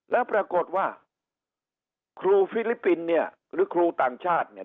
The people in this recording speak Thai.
แล้วปรากฏว่าครูฟิลิปปินส์เนี่ยหรือครูต่างชาติเนี่ย